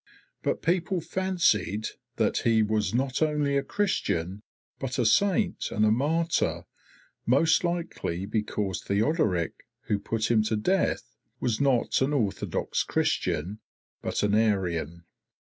But people fancied that he was not only a Christian, but a saint and a martyr, most likely because Theodoric, who put him to death, was not an orthodox Christian, but an Arian.